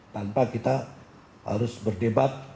tanpa kita harus berdebat